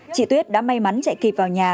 chị tuyết đã may mắn chạy kịp vào nhà